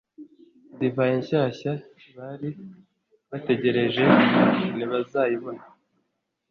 divayi nshyashya bari bategereje ntibazayibona.